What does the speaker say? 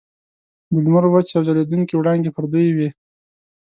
د لمر وچې او ځلیدونکي وړانګې پر دوی وې.